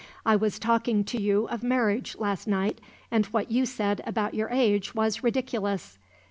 I was talking to you of marriage, last night, and what you said about your age was ridiculous.